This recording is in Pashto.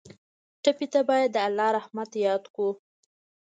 ټپي ته باید د الله رحمت یاد کړو.